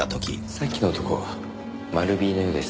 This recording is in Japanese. さっきの男マルＢのようです。